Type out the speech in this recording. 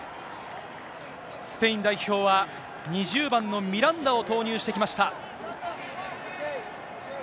スペイン代表は、２０番のミランダを投入してきました。